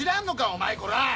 お前こら！